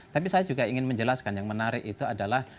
tapi saya juga ingin menjelaskan yang menarik itu adalah